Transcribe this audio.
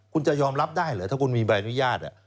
คุณจะยอมรับได้เหรอถ้าคุณมีใบอนุญาต